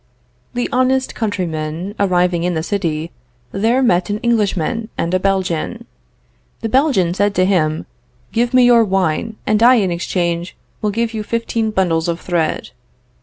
The honest countryman, arriving in the city, there met an Englishman and a Belgian. The Belgian said to him, Give me your wine, and I in exchange, will give you fifteen bundles of thread.